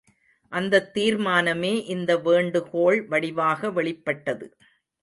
அந்தத் தீர்மானமே இந்த வேண்டுகோள் வடிவாக வெளிப்பட்டது.